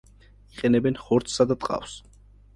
იყენებენ ხორცსა და ტყავს.